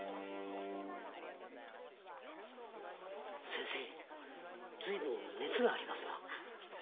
先生随分熱がありますが。